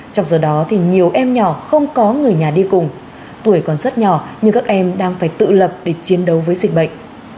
trong giờ đó thì nhiều em nhỏ không có người nhà đi cùng tuổi còn rất nhỏ nhưng các em đang phải tự lập để chiến đấu với dịch bệnh